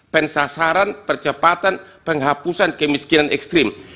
pensasaran percepatan penghapusan kemiskinan ekstrim